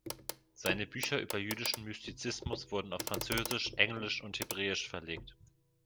Seine Bücher über jüdischen Mystizismus wurden auf Französisch, Englisch und Hebräisch verlegt.